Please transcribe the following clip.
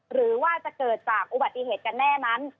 หรือว่าจะเกิดจากอุบัติเหตุกันแน่นั้น